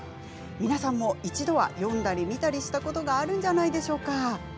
皆さんも一度は読んだり見たりしたことがあるんじゃないでしょうか。